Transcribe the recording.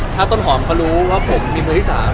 ถ้าต้นหอมเขารู้ว่าผมมีมือที่๓